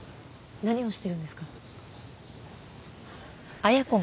何をしてるんですか？